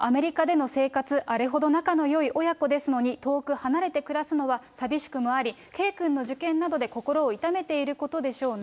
圭君のアメリカでの生活、あれほど仲のよい親子ですのに、遠く離れて暮らすのは、寂しくもあり、圭君の受験などで心を痛めていることでしょうね。